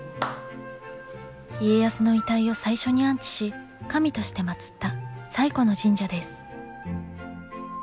家康の遺体を最初に安置し神としてまつった最古の神社です。